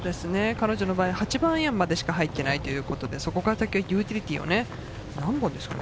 彼女の場合、８番アイアンまでしか入っていないということで、そこから先はユーティリティーを何本ですか？